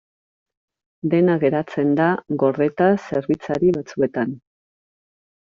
Dena geratzen da gordeta zerbitzari batzuetan.